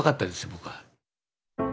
僕は。